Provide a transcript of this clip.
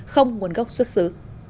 không nguồn gốc xuất xứ